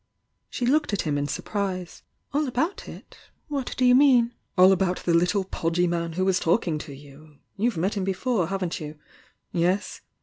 She looked at him in surprise. "All about it? What do you mean? "AU about the little pod^ man who was talkmg to you! You've met him before, haven't you? Yes?